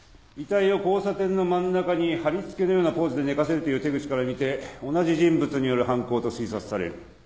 遺体を交差点の真ん中にはりつけのようなポーズで寝かせるという手口から見て同じ人物による犯行と推察される。